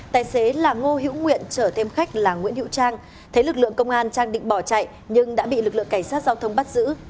tài xế là ngô hữu nguyện chở thêm khách là nguyễn hữu trang thấy lực lượng công an trang định bỏ chạy nhưng đã bị lực lượng cảnh sát giao thông bắt giữ